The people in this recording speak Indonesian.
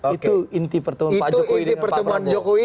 itu inti pertemuan pak jokowi dengan rakyat